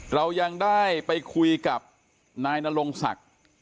เรายังได้ไปคุยกับนายนรงศักดิ์